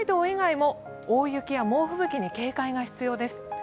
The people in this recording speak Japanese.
以外も大雪や猛吹雪に警戒が必要です。